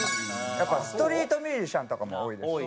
やっぱストリートミュージシャンとかも多いですし。